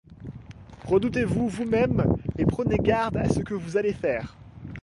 Redoutez-vous vous-mêmes, et prenez garde à ce que vous allez faire.